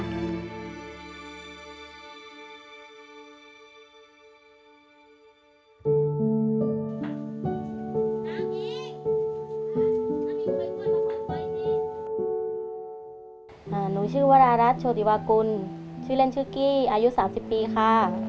หนูชื่อวรารัฐโชติวากุลชื่อเล่นชื่อกี้อายุ๓๐ปีค่ะ